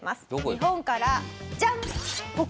日本からジャン！